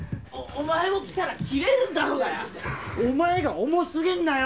・お前も来たら切れるんだろうがよ・・